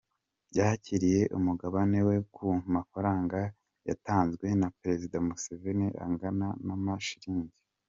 yakiriye umugabane we ku mafaranga yatanzwe na Perezida Museveni, angana n’amashilingi